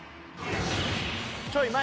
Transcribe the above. ちょい前。